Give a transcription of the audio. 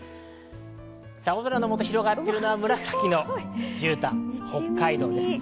青空の下、広がっているのは紫のじゅうたん、北海道です。